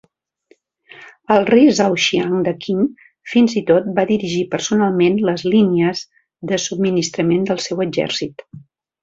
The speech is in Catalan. El rei Zhaoxiang de Qin fins i tot va dirigir personalment les línies de subministrament del seu exèrcit.